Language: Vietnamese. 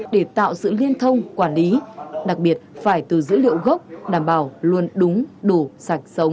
để tạo sự liên thông quản lý đặc biệt phải từ dữ liệu gốc đảm bảo luôn đúng đủ sạch sống